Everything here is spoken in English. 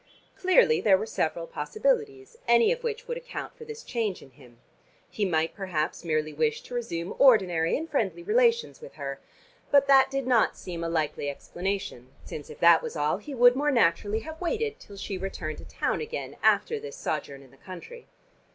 Clearly there were several possibilities any of which would account for this change in him. He might perhaps merely wish to resume ordinary and friendly relations with her. But that did not seem a likely explanation, since, if that was all, he would more naturally have waited till she returned to town again after this sojourn in the country.